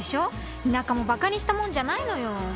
田舎もばかにしたもんじゃないのよ。